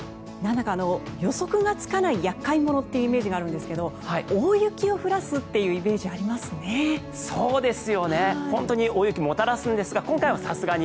予測がつかない厄介者というイメージがあるんですが大雪を降らすというイメージがありますね。